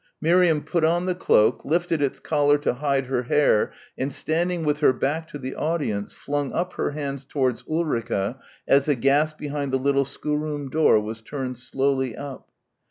Miriam put on the cloak, lifted its collar to hide her hair and standing with her back to the audience flung up her hands towards Ulrica as the gas behind the little schoolroom door was turned slowly up.